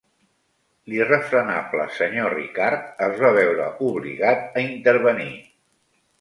L'irrefrenable senyor Ricard es va veure obligat a intervenir.